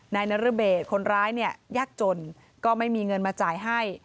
นายนรเบศคนร้ายเนี่ยยากจนก็ไม่มีเงินมาจ่ายให้